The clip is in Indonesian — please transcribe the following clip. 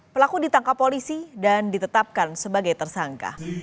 pelaku ditangkap polisi dan ditetapkan sebagai tersangka